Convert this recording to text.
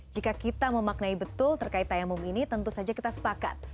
jika kita memaknai betul terkait tayamum ini tentu saja kita sepakat